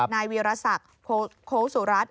นายวิรสักโค้คสุรัส